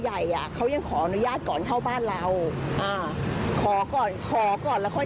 จะมาเข้าบ้านยังต้องขออนุญาตก่อนเลย